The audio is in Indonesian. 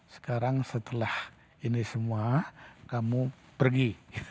di erlang setelah ini semua kamu pergi